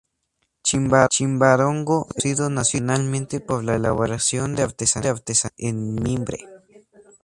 Chimbarongo es conocido nacionalmente por la elaboración de artesanías en mimbre.